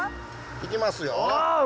いきますよ。